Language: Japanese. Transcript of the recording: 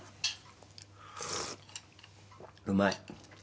うまい。